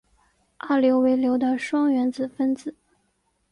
二硫为硫的双原子分子。